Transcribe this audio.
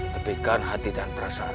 tepikan hati dan perasaanmu ratna